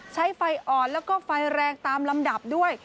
ใช้ไฟอ่อนแล้วก็ไฟแรงตามลำดับด้วย